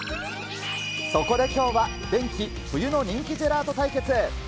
そこできょうは、ヴェンキ、冬のジェラート対決。